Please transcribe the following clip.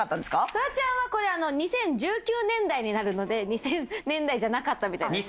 フワちゃんはこれ２０１９年代になるので２０００年代じゃなかったみたいですね。